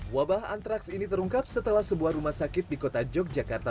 wabah antraks ini terungkap setelah sebuah rumah sakit di kota yogyakarta